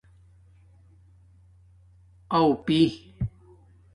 اݸ پی